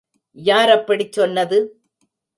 யார் அப்படிச் சொன்னது?